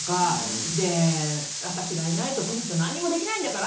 で私がいないとこの人何もできないんだから！